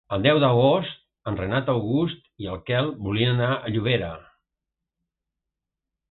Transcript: El deu d'agost en Renat August i en Quel voldrien anar a Llobera.